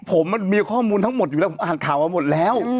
ผมมันมีข้อมูลทั้งหมดอยู่แล้วผมอ่านข่าวมาหมดแล้ว